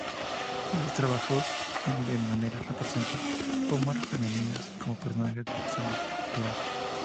Los trabajos en madera representan formas femeninas como personajes del santoral.